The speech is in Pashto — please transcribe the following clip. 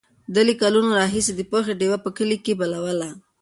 ده له کلونو راهیسې د پوهې ډېوه په کلي کې بلوله.